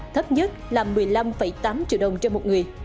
thấp nhất là một mươi năm tám triệu đồng trên một người